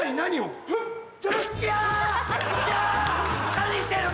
何してんの？